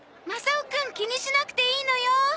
マサオくん気にしなくていいのよ。